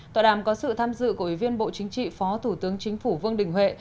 tọa đàm có sự tham dự của ủy viên bộ chính trị phó thủ tướng chính phủ vương đình huệ